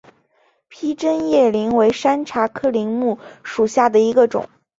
披针叶柃为山茶科柃木属下的一个种。